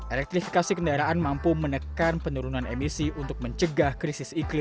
elektrifikasi kendaraan mampu menekan penurunan emisi untuk mencegah krisis iklim